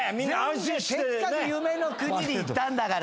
せっかく夢の国に行ったんだから。